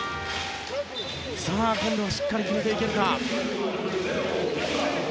今度はしっかり決めていけるか。